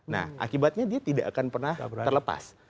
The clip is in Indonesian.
nah akibatnya dia tidak akan pernah terlepas